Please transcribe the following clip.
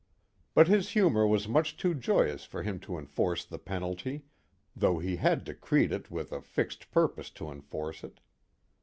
But his humor was much too joyous for him to enforce the penalty, though he had decreed it with a fixed purpose to enforce it.